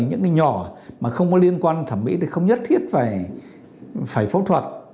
những cái nhỏ mà không có liên quan thẩm mỹ thì không nhất thiết phải phẫu thuật